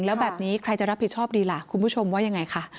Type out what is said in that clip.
แล้วแบบนี้ใครจะรับผิดชอบดีล่ะคุณผู้ชมว่ายังไงคะ